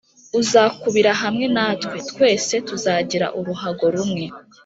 Uzakubira hamwe natwe, Twese tuzagire uruhago rumwe”